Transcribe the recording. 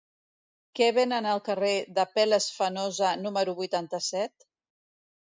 Què venen al carrer d'Apel·les Fenosa número vuitanta-set?